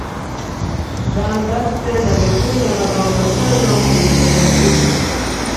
van basten alifunga mabao matano kwenye fainali hizo